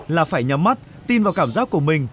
là phải nhắm mắt tin vào cảm giác của mình